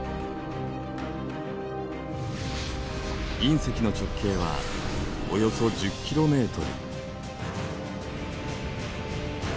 隕石の直径はおよそ１０ｋｍ。